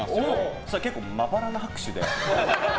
そうしたら、まばらな拍手で。